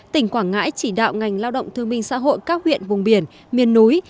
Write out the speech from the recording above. tỉnh quảng ngãi chỉ đạo ngành lao động thương minh xã hội các huyện vùng biển miền núi